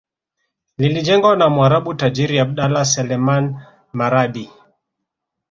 Lilijengwa na mwarabu tajiri Abdallah Selemani Marhabi